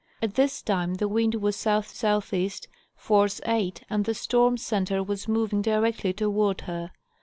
At this time the wind was S SE., force 8, and the storm center was moving directly toward her.